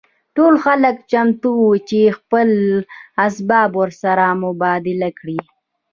ټول خلک چمتو وو چې خپل اسباب ورسره مبادله کړي